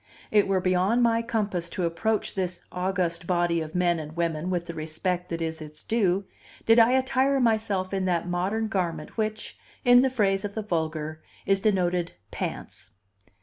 It were beyond my compass to approach this august body of men and women with the respect that is its due, did I attire myself in that modern garment which, in the phrase of the vulgar, is denoted pants.